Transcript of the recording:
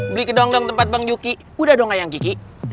beli kedong dong tempat bang yuki udah dong kayak yang kiki